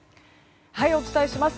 お伝えします。